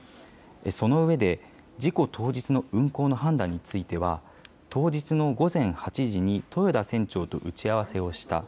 そのうえで事故当日の運航の判断については当日の午前８時に豊田船長と打ち合わせをした。